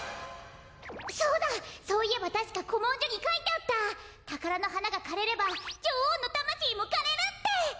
そうだそういえばたしかこもんじょにかいてあった「たからのはながかれればじょおうのたましいもかれる」って！